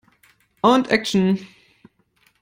Und Action!